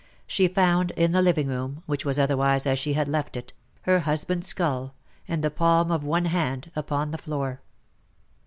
She found in the living room — which was otherwise as she had left it — her husband's skull and the palm of one hand upon the floor.